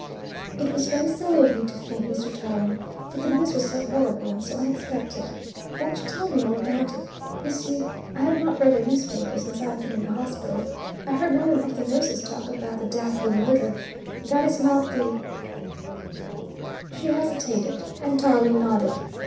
"It was very silly of me to faint, Mr. Tarling but the news was so horrible and so unexpected. Won't you tell me all about it? You see, I have not read a newspaper since I have been in the hospital. I heard one of the nurses talk about the Daffodil Murder that is not the " She hesitated, and Tarling nodded.